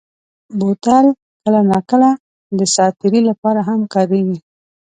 بوتل کله ناکله د ساعت تېرۍ لپاره هم کارېږي.